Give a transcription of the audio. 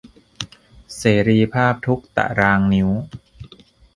เสรีภาพทุกข์ตะรางนิ้ว